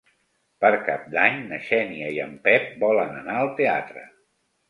Per Cap d'Any na Xènia i en Pep volen anar al teatre.